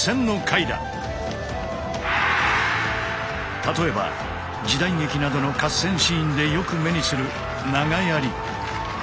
例えば時代劇などの合戦シーンでよく目にする長槍。